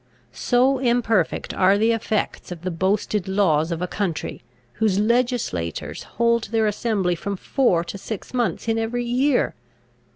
So imperfect are the effects of the boasted laws of a country, whose legislators hold their assembly from four to six months in every year!